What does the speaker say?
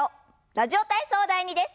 「ラジオ体操第２」です。